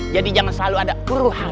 jadi jangan selalu ada buru hara